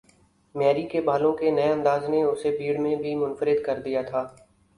میری کے بالوں کے نئے انداز نے اسے بھیڑ میں بھی منفرد کر دیا تھا۔